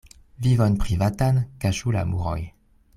Vivon privatan kaŝu la muroj.